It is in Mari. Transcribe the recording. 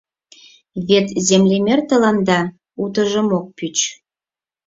Вет землемер тыланда утыжым ок пӱч.